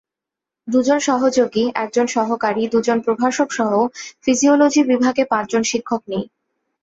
দুজন সহযোগী, একজন সহকারী, দুজন প্রভাষকসহ ফিজিওলজি বিভাগে পাঁচজন শিক্ষক নেই।